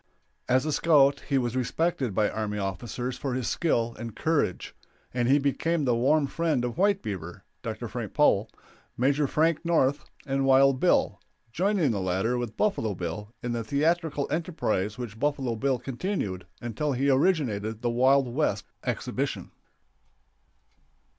As a scout he was respected by army officers for his skill and courage, and he became the warm friend of "White Beaver" (Dr. Frank Powell), Maj. Frank North, and Wild Bill, joining the latter, with Buffalo Bill, in the theatrical enterprise which Buffalo Bill continued until he originated the Wild West exhibition.